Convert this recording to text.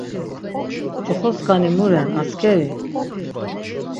Coxoskani mu ren askeri?